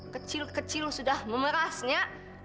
kecil kecil sudah memerahnya